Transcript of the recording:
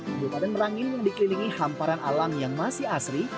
kabupaten merangin yang dikelilingi hamparan alam yang masih asri